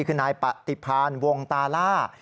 คือนายปฏิพานวงตาล่า